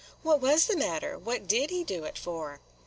"What was the matter? what did he do it for?"